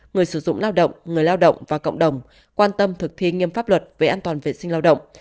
người sử dụng lao động người lao động và cộng đồng quan tâm thực thi nghiêm pháp luật về an toàn vệ sinh lao động